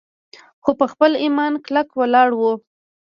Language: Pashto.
خو پۀ خپل ايمان کلک ولاړ وو